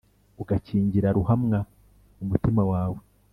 ukangira ruhamwa mu mutima wawe